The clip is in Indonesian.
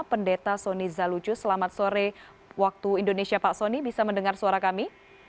pendeta soni zalucu selamat sore waktu indonesia pak soni bisa mendengar suara kami